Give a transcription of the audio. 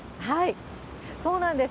そうなんです。